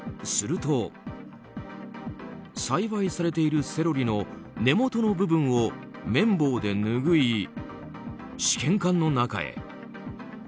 すると、栽培されているセロリの根本の部分を綿棒で拭い試験管の中へ。